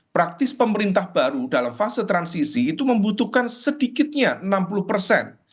praktis pemerintah baru dalam fase transisi itu membutuhkan sedikitnya enam puluh persen